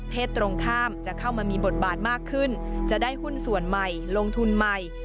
ตรงข้ามจะเข้ามามีบทบาทมากขึ้นจะได้หุ้นส่วนใหม่ลงทุนใหม่